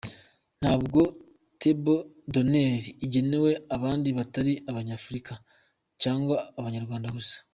Ntabwo ’table d’honneur’ igenewe abandi batari Abanyafurika cyangwa Abanyarwanda gusa.